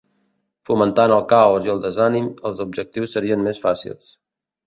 Fomentant el caos i el desànim els objectius serien més fàcils.